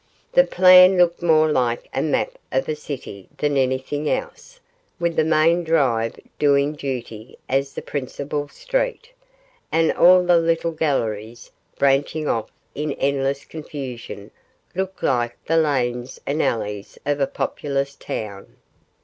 The plan looked more like a map of a city than anything else, with the main drive doing duty as the principal street, and all the little galleries, branching off in endless confusion, looked like the lanes and alleys of a populous town.